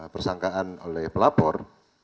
persangkaan oleh pelapor